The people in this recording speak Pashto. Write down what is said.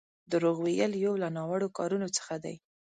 دروغ ويل يو له ناوړو کارونو څخه دی.